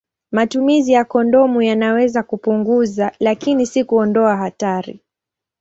Matumizi ya kondomu yanaweza kupunguza, lakini si kuondoa hatari.